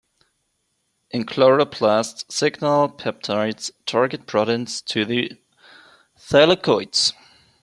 In chloroplasts, signal peptides target proteins to the thylakoids.